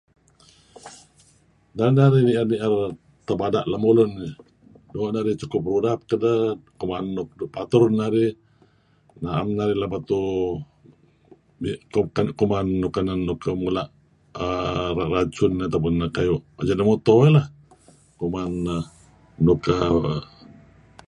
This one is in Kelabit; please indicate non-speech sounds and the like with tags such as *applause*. *unintelligible* tak narih niar niar tabadah lamulun [um],do narih cukup rudap kadah[um],kuman nuk *unintelligible* nuk patur narih, a'am narih laba tuuh [um]ngitung [um]kan kuman nukanan nuk kemulah um racun *unintelligible* kuayuh, aji no motor lah,[um] kuman nuk .